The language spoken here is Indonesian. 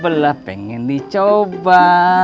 bela pengen dicoba